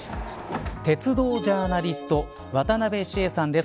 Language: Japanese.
鉄道ジャーナリスト渡部史絵さんです。